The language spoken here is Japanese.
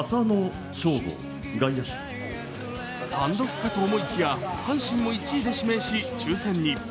単独かと思いきや阪神も１位で指名し、抽選に。